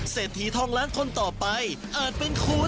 เศรษฐีทองล้านคนต่อไปอาจเป็นคุณ